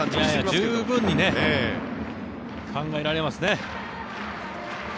十分に考えられますね。